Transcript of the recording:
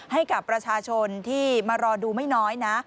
ให้กับประชาชนที่มารอดูไม่น้อยนะ